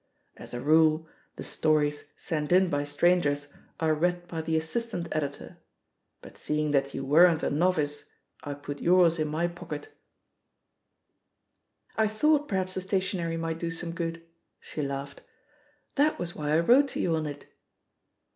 As a rule, the stories sent in by strangers are read by the assistant editor, but seeing that you weren't a novice, I put yours in my pocket." «06 THE POSITION OF PEGGY HARPER "I thought perhaps the stationery might do some good/' she laughed; "that was why I wrote to you on it."